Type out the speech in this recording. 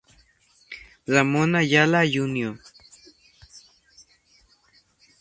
Ramón Ayala Jr.